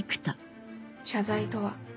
謝罪とは？